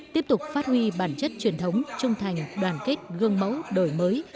tiếp tục phát huy bản chất truyền thống trung thành đoàn kết gương mẫu đổi mới